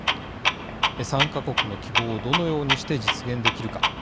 参加国の希望をどのように実現できるか。